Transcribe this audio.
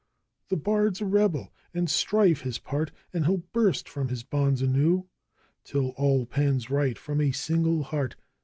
The bard's a rebel and strife his part, and he'll burst from his bonds anew, Till all pens write from a single heart!